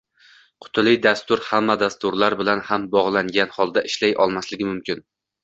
Qutili dastur hamma dasturlar bilan ham bog’langan holda ishlay olmasligi mumkin